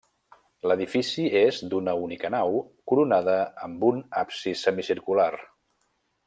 L'edifici és d'una única nau coronada amb un absis semicircular.